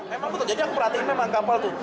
iya jadi aku perhatikan memang kapal itu